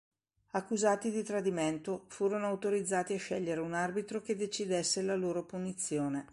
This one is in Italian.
Accusati di tradimento, furono autorizzati a scegliere un arbitro che decidesse la loro punizione.